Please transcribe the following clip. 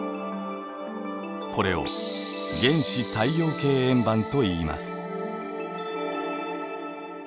これを原始太陽系円盤といいます。